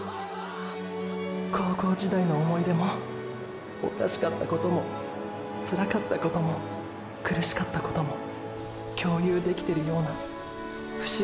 高校時代の思い出もおかしかったこともつらかったことも苦しかったことも共有できてるような不思議な感覚だよ。